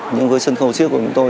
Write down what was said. nhưng với sân khấu siếc của chúng tôi